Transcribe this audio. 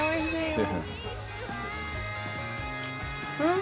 うん！